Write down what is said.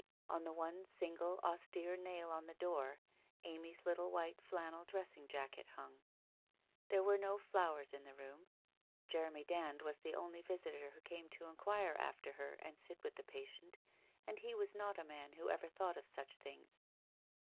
On the one single austere nail on the door, Amy's little white flan nel dressing jacket hung. There were no flowers in the 250 WHITE ROSE OF WEARY LEAF 251 room. Jeremy Dand was the only visitor who came to enquire after and sit with the patient, and he was not a man who ever thought of such tilings.